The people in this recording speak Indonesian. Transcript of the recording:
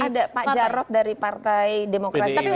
ada pak jarod dari partai demokrasi